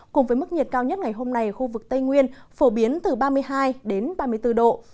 cùng với mức nhiệt cao nhất ngày hôm nay ở khu vực tây nguyên phổ biến từ ba mươi hai đến ba mươi bốn độ